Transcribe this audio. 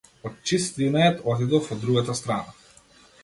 Од чист инатет отидов од другата страна.